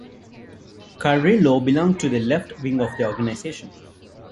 Carrillo belonged to the left wing of the organisation.